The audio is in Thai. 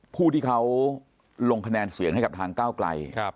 ผู้ที่เขาลงคะแนนเสียงให้กับทางก้าวไกล